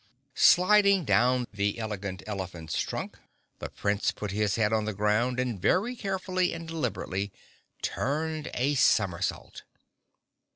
Sliding down the Elegant Elephant's trunk, the Prince put his head on the ground and very carefully and deliberately turned a somersault.